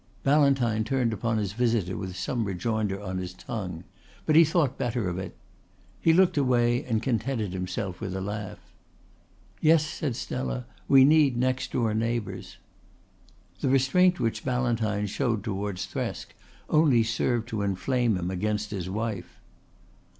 Ballantyne turned upon his visitor with some rejoinder on his tongue. But he thought better of it. He looked away and contented himself with a laugh. "Yes," said Stella, "we need next door neighbours." The restraint which Ballantyne showed towards Thresk only served to inflame him against his wife.